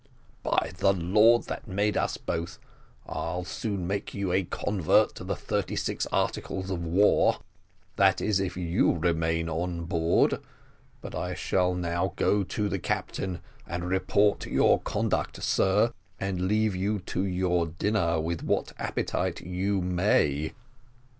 "By the Lord that made us both, I'll soon make you a convert to the thirty six articles of war that is, if you remain on board; but I shall now go to the captain, and report your conduct, sir, and leave you to your dinner with what appetite you may."